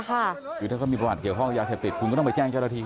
คือถ้าเขามีประวัติเกี่ยวข้องกับยาเสพติดคุณก็ต้องไปแจ้งเจ้าหน้าที่